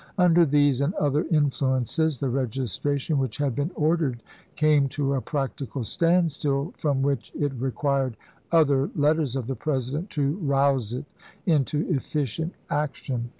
Under these and other influences the registration which had been ordered came to a practical standstill from which it re quired other letters of the President to rouse it into efficient action.